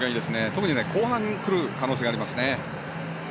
特に後半来る可能性がありますね。